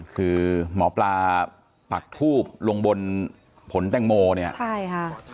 คือหมอปลาปักทูบลงบนผลแตงโมเนี่ยใช่ค่ะ